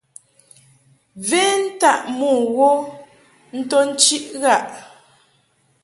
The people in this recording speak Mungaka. Ven taʼ mo wo nto nchiʼ ghaʼ.